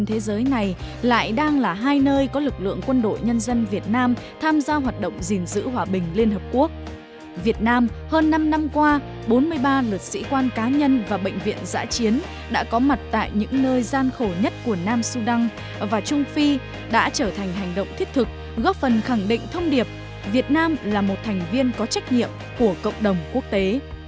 hơn năm năm qua bốn mươi ba lực sĩ quan cá nhân và bệnh viện giã chiến đã có mặt tại những nơi gian khổ nhất của nam sudan và trung phi đã trở thành hành động thiết thực góp phần khẳng định thông điệp việt nam là một thành viên có trách nhiệm của cộng đồng quốc tế